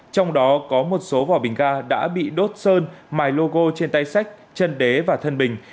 trong đó có một số vỏ bình ga đã bị đốt sơn mài logo trên tay sách chân đế và thân bình